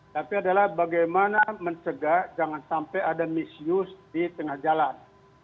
tapi adalah bagaimana mencegah jangan sampai ada misuse di tengah jalan